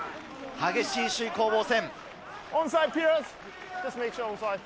激しい首位攻防戦。